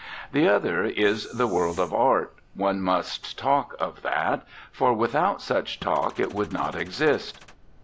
The other is the world of ANDRE GIDE art: one must talk of that, for without such talk it would not exist.